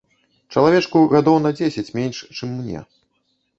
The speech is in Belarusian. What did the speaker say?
Чалавечку гадоў на дзесяць менш, чым мне.